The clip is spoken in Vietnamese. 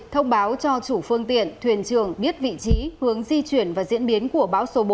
thông báo cho chủ phương tiện thuyền trường biết vị trí hướng di chuyển và diễn biến của bão số bốn